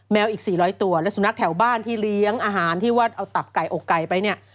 อีก๔๐๐ตัวและสุนัขแถวบ้านที่เลี้ยงอาหารที่ว่าเอาตับไก่อกไก่ไปเนี่ย